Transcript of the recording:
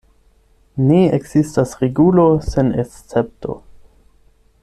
Ne ekzistas regulo sen escepto.